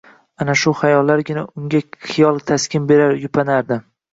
Ana shu xayollargina unga xiyla taskin berar, yupanardi